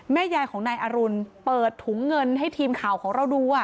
แม่ยายของนายอรุณเปิดถุงเงินให้ทีมข่าวของเราดู